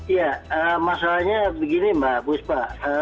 iya masalahnya begini mbak bu ispa